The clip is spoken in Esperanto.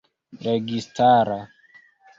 registara